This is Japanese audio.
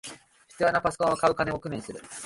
必要なパソコンを買う金を工面する